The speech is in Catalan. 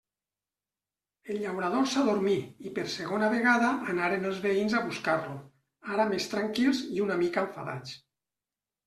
El llaurador s'adormí i per segona vegada anaren els veïns a buscar-lo, ara més tranquils i una mica enfadats.